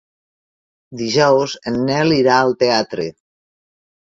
Dijous en Nel irà al teatre.